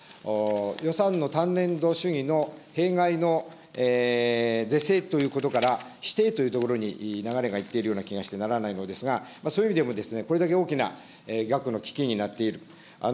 予算の単年度主義の弊害の是正ということから、ひていというところに流れがいっているような気がしてならないのですが、そういう意味でも、これだけ大きな額の基金になっている。